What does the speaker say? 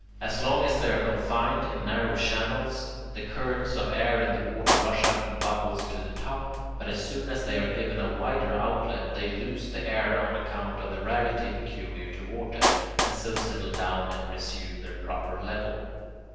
As long as they are confined in narrow channels, the currents of air in the water rush up in bubbles to the top, but as soon as they are given a wider outlet, they lose their air on account of the rarity peculiar to water, and so settle down and resume their proper level.